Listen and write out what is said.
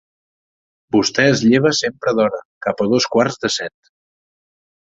Vostè es lleva sempre d'hora, cap a dos quarts de set.